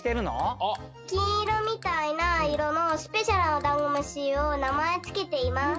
金色みたいな色のスペシャルなダンゴムシをなまえつけています。